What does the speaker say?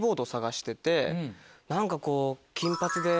何かこう。